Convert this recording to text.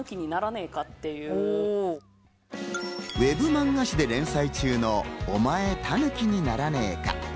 ｗｅｂ漫画誌で連載中の『お前、タヌキにならねーか？』。